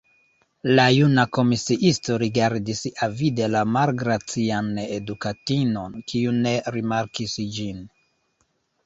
La juna komisiisto rigardis avide la malgracian edukatinon, kiu ne rimarkis ĝin.